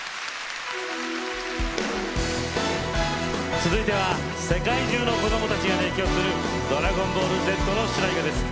続いては世界中の子どもたちが熱狂する「ドラゴンボールＺ」の主題歌です。